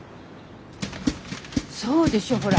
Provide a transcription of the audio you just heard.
そうでしょほら。